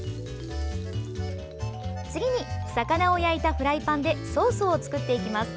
次に、魚を焼いたフライパンでソースを作っていきます。